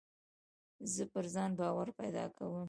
زه پر ځان باور پیدا کوم.